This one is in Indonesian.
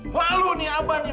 malu nih abah nih